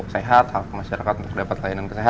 dia gak pernah kentut depan gue